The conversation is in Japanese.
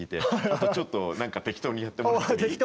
あとちょっとなんか適当にやってもらっていい？